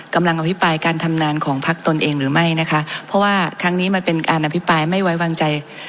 อภิปรายการทำงานของพักตนเองหรือไม่นะคะเพราะว่าครั้งนี้มันเป็นการอภิปรายไม่ไว้วางใจ